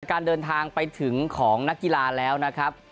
การเดินทางไปถึงของนักกีฬาแล้วนะครับ